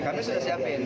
kami sudah siapkan